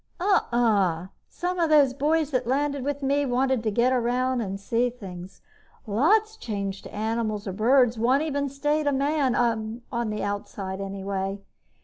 "Uh uh! Some of the boys that landed with me wanted to get around and see things. Lots changed to animals or birds. One even stayed a man on the outside anyway.